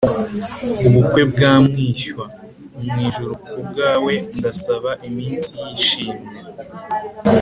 ubukwe bwa mwishywa: mwijuru kubwawe ndasaba iminsi yishimye